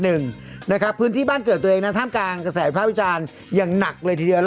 นะครับพื้นที่บ้านเกิดตัวเองนั้นท่ามกลางกระแสภาพวิจารณ์อย่างหนักเลยทีเดียว